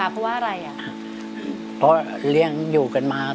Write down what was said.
เพราะเลี้ยงอยู่กันมา